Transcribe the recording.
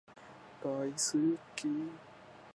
大好き